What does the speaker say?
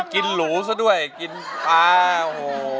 กินหลูซะด้วยกินปลาโอ้ว